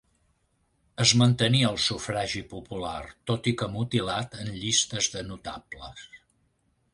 Es mantenia el sufragi popular, tot i que mutilat en llistes de notables.